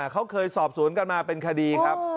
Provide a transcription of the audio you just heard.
เขาเคยสอบสวนกันมาเป็นคดีครับ